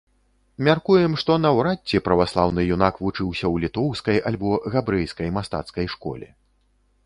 Мяркуем, што наўрад ці праваслаўны юнак вучыўся ў літоўскай альбо габрэйскай мастацкай школе.